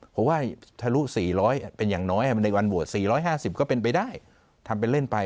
เพราะว่าทะลุ๔๐๐เป็นอย่างน้อยในวันโหวต๔๕๐ก็เป็นไปได้ทำเป็นเล่นไป